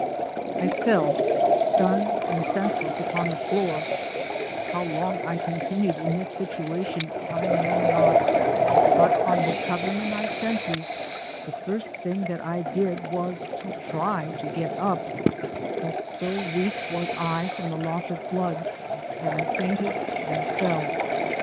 I fell, stunned aod senseless, upon the floor — how long I conti nued in this situation I know not, but on recover ing my senses, the first thing that I did, was to try to get up , but so weak was i, from the loss of blood, that I fainted and fell.